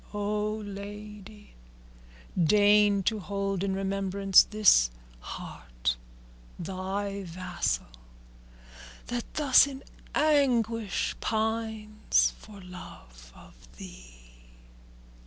O lady, deign to hold in remembrance this heart, thy vassal, that thus in anguish pines for love of thee."